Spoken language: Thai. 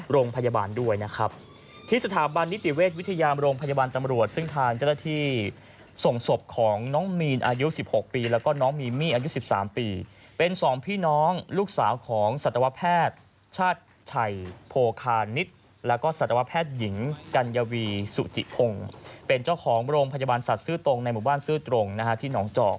โรงพยาบาลด้วยนะครับที่สถาบันนิติเวชวิทยามโรงพยาบาลตำรวจซึ่งทางเจ้าหน้าที่ส่งศพของน้องมีนอายุ๑๖ปีแล้วก็น้องมีมี่อายุ๑๓ปีเป็นสองพี่น้องลูกสาวของสัตวแพทย์ชาติชัยโพคานิดแล้วก็สัตวแพทย์หญิงกัญญาวีสุจิพงศ์เป็นเจ้าของโรงพยาบาลสัตว์ซื้อตรงในหมู่บ้านซื่อตรงนะฮะที่หนองจอก